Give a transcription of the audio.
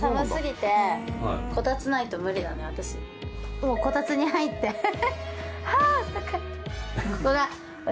もうこたつに入ってハハハッ！